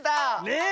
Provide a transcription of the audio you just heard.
ねえ！